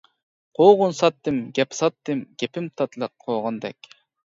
قوغۇن ساتتىم، گەپ ساتتىم، گېپىم تاتلىق قوغۇندەك.